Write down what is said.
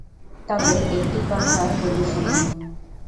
তবে একটা কথা বলি শুনুন।